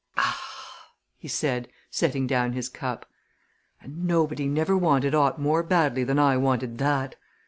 "Ah!" he said, setting down his cup. "And nobody never wanted aught more badly than I wanted that!